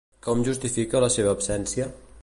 Com justifica la seva absència?